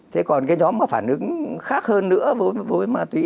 thế còn cái nhóm mà phản ứng khác hơn nữa đối với ma túy